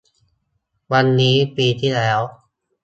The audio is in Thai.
วันนี้ ปีที่แล้ว